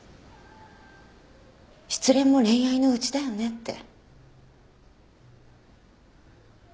失恋も恋愛のうちだよねって。